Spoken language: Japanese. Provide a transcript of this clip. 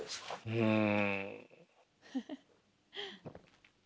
うん。